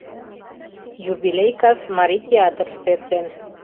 Юбилей кас Марий театрыште эртен.